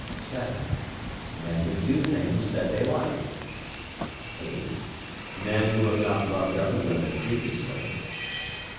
7. Men who do things that they like. 8. Men who have not loved other women previously.